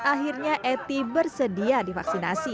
akhirnya eti bersedia divaksinasi